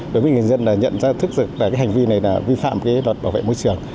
đối với người dân nhận ra thức là hành vi này vi phạm luật bảo vệ môi trường